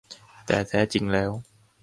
แต่แท้จริงแล้ว